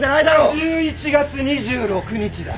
１１月２６日だ。